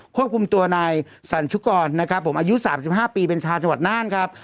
ควบคุมตัวนายสัญชุกรนะครับผมอายุ๓๕ปีเป็นชาวจังหวัดน่านครับ